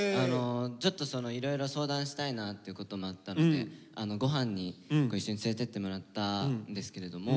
ちょっといろいろ相談したいなということもあったのでご飯に一緒に連れてってもらったんですけれども。